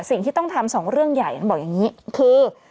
สิ่งที่ต้องทำสองเรื่องใหญ่ท่านบอกอย่างนี้คือ